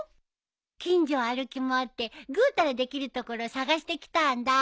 近所歩き回ってグータラできる所を探してきたんだ。